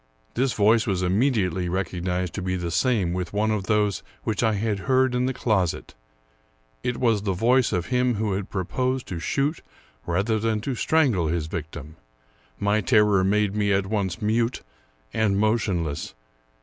This voice was immediately recognized to be the same with one of those which I had heard in the closet ; it was the voice of him who had proposed to shoot rather than to strangle his victim. My terror made me at once mute and motionless.